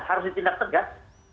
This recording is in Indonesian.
harus ditindak tegas